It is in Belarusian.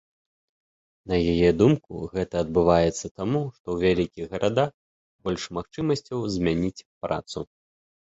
На яе думку, гэта адбываецца таму, што ў вялікіх гарадах больш магчымасцяў змяніць працу.